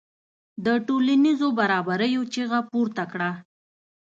د ټولنیزو برابریو چیغه پورته کړه.